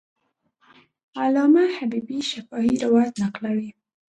علامه حبیبي شفاهي روایت نقلوي.